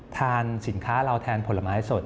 ทานสินค้าเราแทนผลไม้สด